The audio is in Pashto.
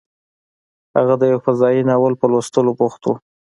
هغه د یو فضايي ناول په لوستلو بوخت و